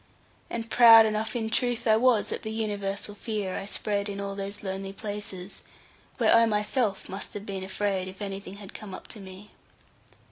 And proud enough in truth I was at the universal fear I spread in all those lonely places, where I myself must have been afraid, if anything had come up to me.